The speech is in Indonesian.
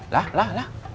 lah lah lah